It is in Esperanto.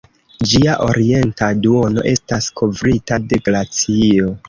Ĝia orienta duono estas kovrita de glacio.